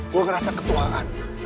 gue ngerasa ketuaan